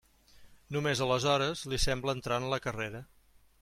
Només aleshores li sembla entrar en la carrera.